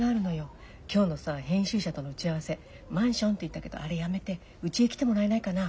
今日のさ編集者との打ち合わせマンションって言ったけどあれやめてうちへ来てもらえないかな？